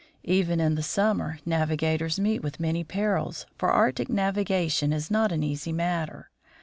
Even in the summer, navigators meet with many perils, for Arctic navigation is not an easy matter.